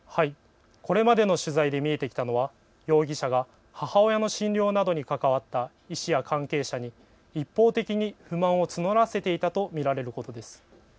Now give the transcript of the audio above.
これまでの取材で見えてきたのは容疑者が母親の診療などに関わった医師や関係者に一方的に不満を募らせていたと見られることです。